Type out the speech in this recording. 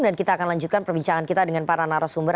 dan kita akan lanjutkan perbincangan kita dengan para narasumber